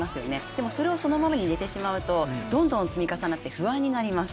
でもそれをそのままに寝てしまうとどんどん積み重なって不安になります。